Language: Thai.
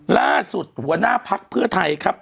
ล่าสุดหัวหน้าภักดิ์เพื่อไทยครับ